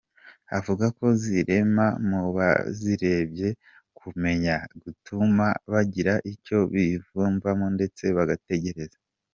Avuga ko "zirema mu bazirebye kumenya, gutuma bagira icyo biyumvamo ndetse bagatekereza".